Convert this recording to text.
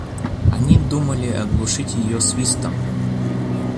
Они думали оглушить её свистом.